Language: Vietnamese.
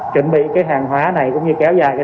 chuẩn bị hàng hóa này cũng như kéo dài